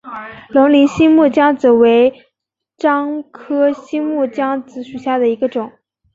龙陵新木姜子为樟科新木姜子属下的一个种。